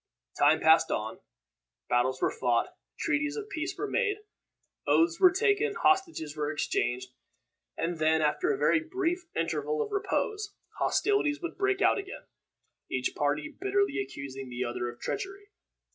Time passed on, battles were fought, treaties of peace were made, oaths were taken, hostages were exchanged, and then, after a very brief interval of repose, hostilities would break out again, each party bitterly accusing the other of treachery.